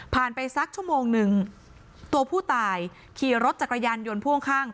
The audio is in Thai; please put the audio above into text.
ไปสักชั่วโมงหนึ่งตัวผู้ตายขี่รถจักรยานยนต์พ่วงข้าง